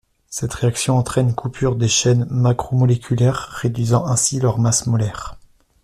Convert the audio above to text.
Cette réaction entraine une coupure des chaînes macromoléculaires réduisant ainsi leur masse molaire.